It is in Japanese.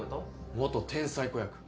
元天才子役